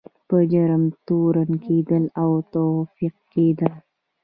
په جرم تورن کیدل او توقیف کیدل.